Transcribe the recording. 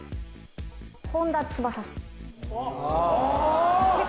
本田翼さんあ